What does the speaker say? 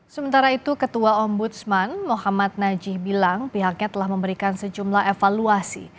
sementara itu ketua ombudsman muhammad najih bilang pihaknya telah memberikan sejumlah evaluasi